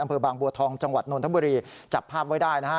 อำเภอบางบัวทองจังหวัดนทบุรีจับภาพไว้ได้นะฮะ